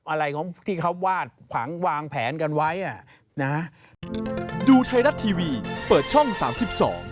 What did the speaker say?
อะไรที่เขาวาดวางแผนกันไว้